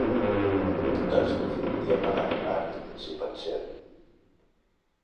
Doncs preferiria pagar a part, si pot ser?